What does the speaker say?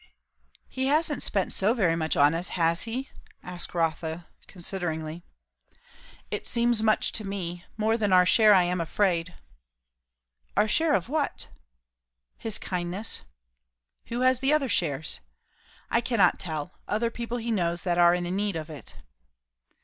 "He hasn't spent so very much on us, has he?" asked Rotha consideringly. "It seems much to me. More than our share, I am afraid." "Our share of what?" "His kindness." "Who has the other shares?" "I cannot tell. Other people he knows, that are in need of it."